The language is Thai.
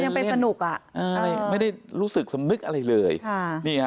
มันยังเป็นสนุกอ่ะอ่าอะไรไม่ได้รู้สึกสมมึกอะไรเลยค่ะนี่ฮะ